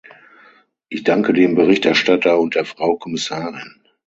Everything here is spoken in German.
Ich danke dem Berichterstatter und der Frau Kommissarin.